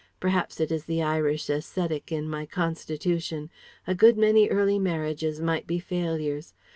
Perhaps it is the Irish ascetic in my constitution. A good many early marriages might be failures.